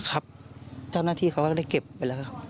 เจ้าหน้าที่เขาก็ได้เก็บไปแล้วครับ